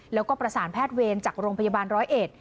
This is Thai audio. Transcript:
แล้วก็ประสานแพทย์เวรจากโรงพยาบาลร้อยเอ็ด